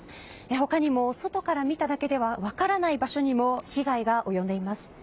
他にも外から見ただけでは分からない場所にも被害が及んでいます。